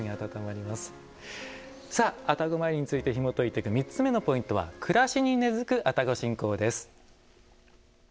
さあ愛宕詣りについてひもといていく３つ目のポイントは暮らしに根づく愛宕信仰です。